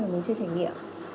mà mình chưa trải nghiệm